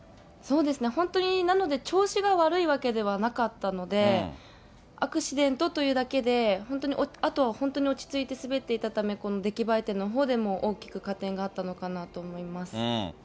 そうですね、本当に、なので、調子が悪いわけではなかったので、アクシデントというだけで、本当にあとは本当に落ち着いて滑っていたため、この出来栄え点のほうでも大きく加点があったのかなと思います。